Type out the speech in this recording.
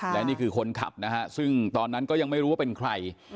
และนี่คือคนขับนะฮะซึ่งตอนนั้นก็ยังไม่รู้ว่าเป็นใคร